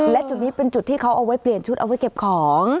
และจุดนี้เป็นจุดที่เขาเอาไว้เปลี่ยนชุดเอาไว้เก็บของ